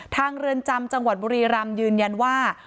เรือนจำจังหวัดบุรีรำยืนยันว่า